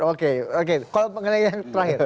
oke oke kalau mengenai yang terakhir